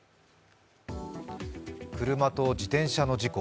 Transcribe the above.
車と自転車の事故。